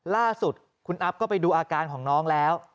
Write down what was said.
ล่าสุดคุณอัพก็ไปดูอาการของน้องแล้ว